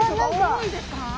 重いですか？